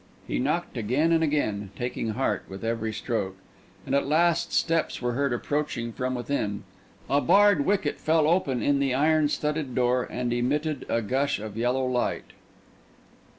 He knocked again and again, taking heart with every stroke; and at last steps were heard approaching from within. A barred wicket fell open in the iron studded door, and emitted a gush of yellow light.